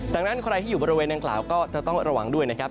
ดังนั้นใครที่อยู่บริเวณดังกล่าวก็จะต้องระวังด้วยนะครับ